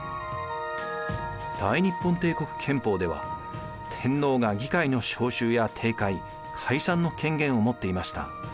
大日本帝国憲法では天皇が議会の召集や停会・解散の権限を持っていました。